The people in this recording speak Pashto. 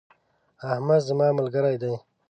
احمد زما ملګری دی.